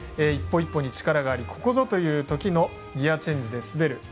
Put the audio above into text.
一歩一歩に力がありここぞというときのギヤチェンジで滑る。